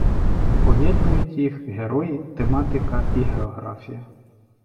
Поєднують їх герої, тематика і географія.